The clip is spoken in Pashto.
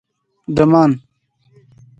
_ډمان